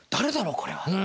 これは？